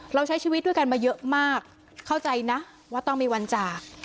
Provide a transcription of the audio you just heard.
เราใช้ชีวิตด้วยกันมาเยอะมากเข้าใจนะว่าต้องมีวันจาก